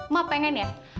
emak pengen ya